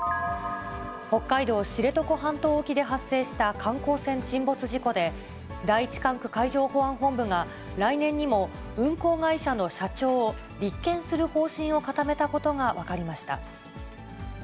北海道知床半島沖で発生した観光船沈没事故で、第１管区海上保安本部が、来年にも運航会社の社長を立件する方針を固めたことが分かりました。